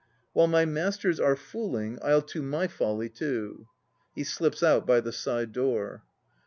While my masters are fooling, I'll to my folly too. (He slips out by the side door.)